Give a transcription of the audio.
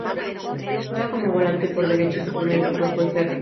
Juega como volante por derecha y su primer equipo fue Ferro.